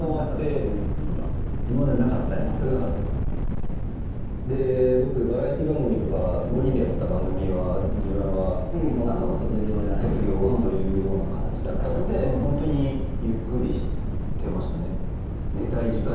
そのゆっくりはで僕バラエティ番組とか５人でやってた番組は自分は卒業というようなかたちだったのでホントにゆっくりしてましたね